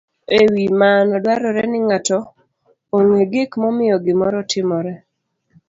e wi mano, dwarore ni ng'ato ong'e gik momiyo gimoro otimore.